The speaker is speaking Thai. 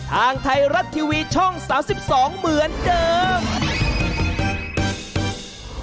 ทางไทยรัฐทีวีช่อง๓๒เหมือนเดิม